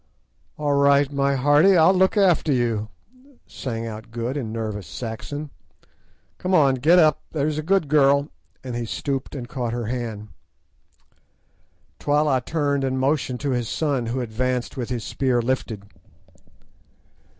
"All right, my hearty, I'll look after you," sang out Good in nervous Saxon. "Come, get up, there's a good girl," and he stooped and caught her hand. Twala turned and motioned to his son, who advanced with his spear lifted.